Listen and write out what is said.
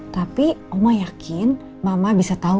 tapi oma yakin mama bisa tau